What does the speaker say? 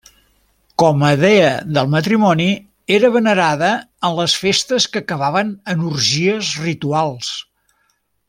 Com a dea del matrimoni, era venerada en les festes que acabaven en orgies rituals.